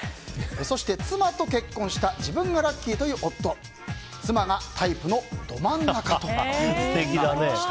そして妻と結婚した自分がラッキーという夫妻がタイプのど真ん中だと。